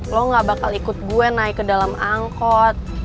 lo gak bakal ikut gue naik ke dalam angkot